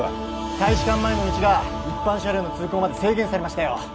大使館前の道が一般車両の通行まで制限されましたよ